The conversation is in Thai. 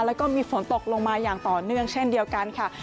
แล้วก็มีฝนตกลงมาอย่างต่อเนื่องเช่นเดียวกันค่ะ